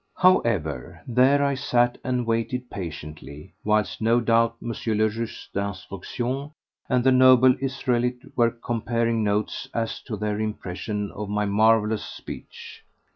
However, there I sat and waited patiently whilst, no doubt, M. le Juge d'Instruction and the noble Israelite were comparing notes as to their impression of my marvellous speech.